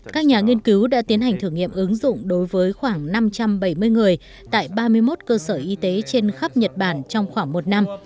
các nhà nghiên cứu đã tiến hành thử nghiệm ứng dụng đối với khoảng năm trăm bảy mươi người tại ba mươi một cơ sở y tế trên khắp nhật bản trong khoảng một năm